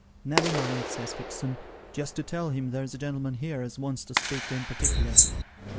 'Never mind,' says Fixem, 'just you tell him there's a gentleman here, as wants to speak to him partickler.'